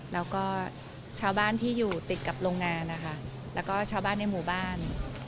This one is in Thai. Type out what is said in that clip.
แล้วก็ชาวบ้านที่อยู่ติดกับโรงงานนะคะแล้วก็ชาวบ้านในหมู่บ้าน